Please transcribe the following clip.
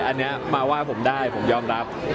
อันนี้มาว่าผมได้ผมยอมรับ